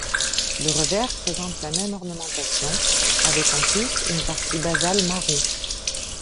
Le revers présente la même ornementation, avec en plus une partie basale marron.